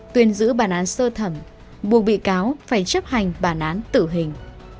tuyên giữ bản án sơ thẩm buộc bị cáo phải chấp hành bản án tử hình